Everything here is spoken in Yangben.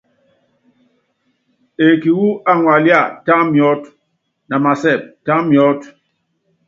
Eeki wú aŋualía, tá miɔ́t, na masɛp, ta miɔ́t.